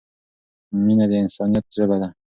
مینه د انسانیت ژبه ده.